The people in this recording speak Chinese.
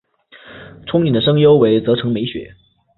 憧憬的声优为泽城美雪。